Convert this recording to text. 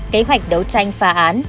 kế hoạch đấu tranh phá án